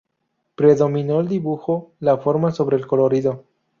Predominó el dibujo, la forma, sobre el colorido.